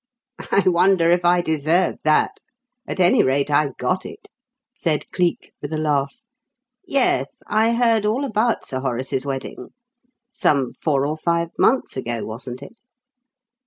"I wonder if I deserve that? At any rate, I got it," said Cleek with a laugh. "Yes, I heard all about Sir Horace's wedding. Some four or five months ago, wasn't it?"